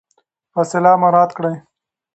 فاصله مراعات کړئ.